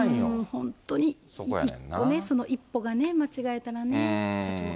本当にそこの一歩が間違えたらね。